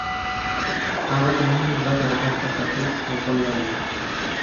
هغه د مينې بد حالت ته کتل او غلی و